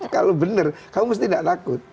kalau benar kamu mesti tidak takut